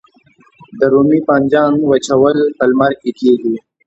د رومي بانجان وچول په لمر کې کیږي؟